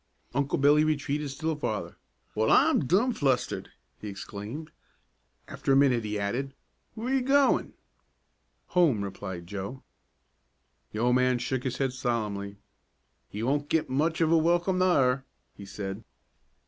Uncle Billy retreated still farther. "Well, I'm dumflustered!" he exclaimed. After a minute he added, "W'ere ye goin'?" "Home!" replied Joe. The old man shook his head solemnly. "Ye won't git much of a welcome ther," he said.